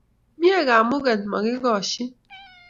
Mie kamuget makikoshin